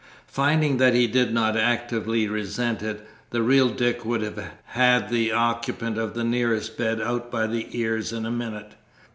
Finding that he did not actively resent it (the real Dick would have had the occupant of the nearest bed out by the ears in a minute!)